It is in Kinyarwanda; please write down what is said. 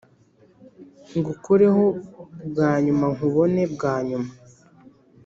ngukoreho bwa nyumankubone bwa nyuma